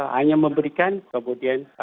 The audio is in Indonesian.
hanya memberikan kemudian